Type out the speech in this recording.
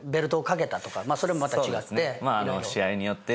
それもまた違って。